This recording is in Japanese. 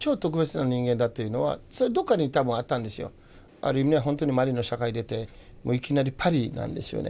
ある意味ではほんとにマリの社会出ていきなりパリなんですよね。